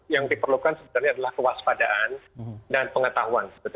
yang diperlukan sebenarnya adalah kewaspadaan dan pengetahuan